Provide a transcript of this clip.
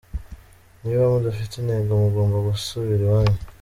Niba mudafite intego mugomba gusubira iwanyu.